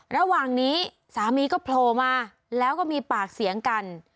ระหว่างนี้สามีก็โผล่มาแล้วก็มีปากเสียงกัน